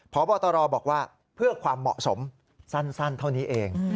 พบตรบอกว่าเพื่อความเหมาะสมสั้นเท่านี้เอง